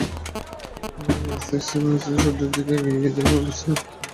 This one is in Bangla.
সিক্সটিসেভেনপি সূর্যের দিকে এগিয়ে যাবে এবং রোসেটাও এটিকে অনুসরণ করতে থাকবে।